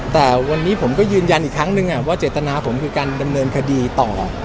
แต่วันนี้ผมก็ยืนยันอีกครั้งนึงว่าเจตนาผมคือการดำเนินคดีต่อ